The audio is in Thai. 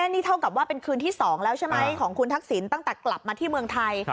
นี่เท่ากับว่าเป็นคืนที่๒แล้วใช่ไหมของคุณทักษิณตั้งแต่กลับมาที่เมืองไทย